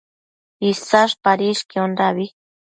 Isash padishquiondabi